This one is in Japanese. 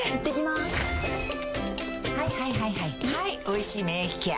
はい「おいしい免疫ケア」